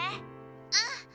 「うん！